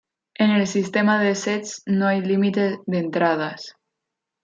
En el sistema de sets no hay límite de entradas.